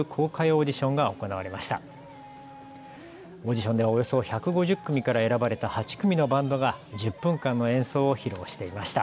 オーディションでおよそ１５０組から選ばれた８組のバンドが１０分間の演奏を披露していました。